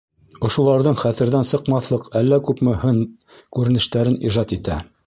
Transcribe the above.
Ошоларҙың хәтерҙән сыҡмаҫлыҡ әллә күпме һын-күренештәрен ижад итә.